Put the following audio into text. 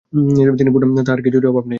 তিনি পূর্ণ, তাঁহার কিছুরই অভাব নাই।